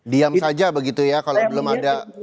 diam saja begitu ya kalau belum ada